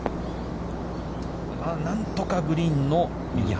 なんとかグリーンの右端。